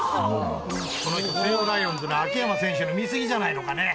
この人、西武ライオンズの秋山選手の見過ぎじゃないですかね。